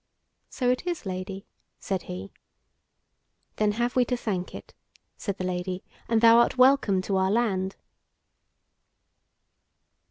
"So it is, Lady," said he. "Then have we to thank it," said the Lady, "and thou art welcome to our land."